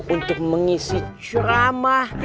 untuk mengisi ceramah